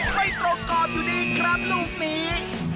ไม่ตรงกรอบอยู่ดีครับลูกนี้